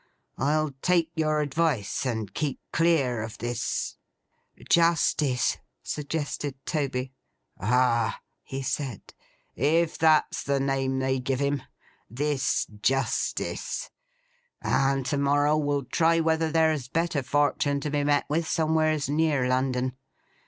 I'll take your advice, and keep clear of this—' 'Justice,' suggested Toby. 'Ah!' he said. 'If that's the name they give him. This Justice. And to morrow will try whether there's better fortun' to be met with, somewheres near London.